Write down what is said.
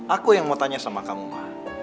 aku yang mau tanya sama kamu